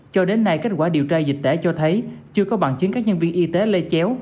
cho đến nay kết quả điều tra dịch tễ cho thấy chưa có bằng chứng các nhân viên y tế lê chéo